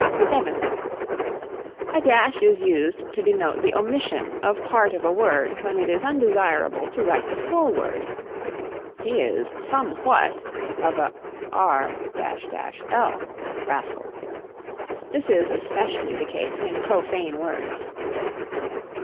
(7) A dash is used to denote the omission of part of a word when it is undesirable to write the full word: He is somewhat of a r l (rascal). This is especially the case in profane words.